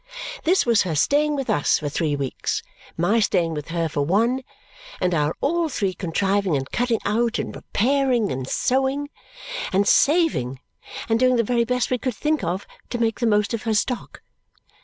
This was her staying with us for three weeks, my staying with her for one, and our all three contriving and cutting out, and repairing, and sewing, and saving, and doing the very best we could think of to make the most of her stock.